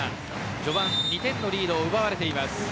序盤２点のリードを奪われています。